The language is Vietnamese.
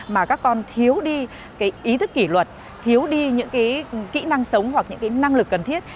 mà các con thiếu đi cái ý thức kỷ luật thiếu đi những cái kỹ năng sống hoặc những cái năng lực cần thiết